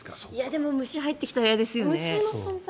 でも、虫が入ってきたら嫌ですよね。